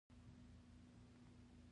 ځکه چې ستا له بوی څخه زما بد راځي